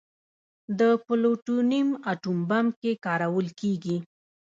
د پلوټونیم اټوم بم کې کارول کېږي.